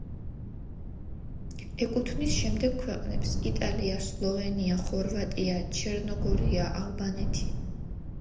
ეკუთვნის შემდეგ ქვეყნებს: იტალია, სლოვენია, ხორვატია, ჩერნოგორია, ალბანეთი.